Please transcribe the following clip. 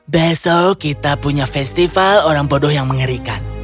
besok kita punya festival orang bodoh yang mengerikan